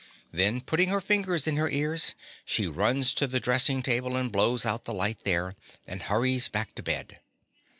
Then, putting her fingers in her ears, she runs to the dressing table and blows out the light there, and hurries back to bed.